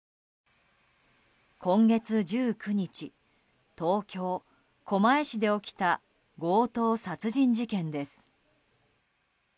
今月１９日東京・狛江市で起きた強盗殺人事件です。